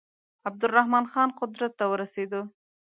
عبدالرحمن خان قدرت ته ورسېدی.